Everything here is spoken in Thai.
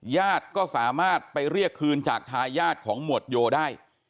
ญาติก็สามารถไปเรียกคืนจากทายาทของหมวดโยได้